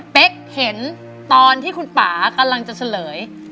เห็นตอนที่คุณป่ากำลังจะเฉลย